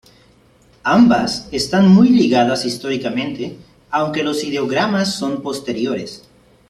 Ambas están muy ligadas históricamente, aunque los Ideogramas son posteriores.